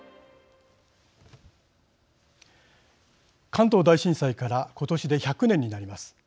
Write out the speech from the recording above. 関東大震災から今年で１００年になります。